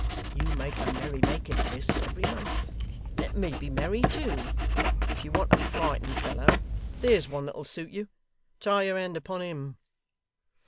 You make a merry making of this, every month; let me be merry, too. If you want a frightened fellow there's one that'll suit you. Try your hand upon him.